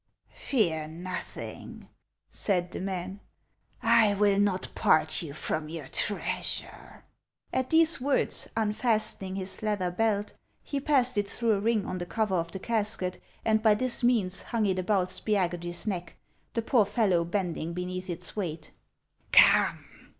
Fear nothing," said the man ;" I will not part you from your treasure." At these words, unfastening his leather belt, he passed it through a ring on the cover of the casket, and by this means hung it about Spiagudry's neck, the poor fellow bending beneath its weight. " Come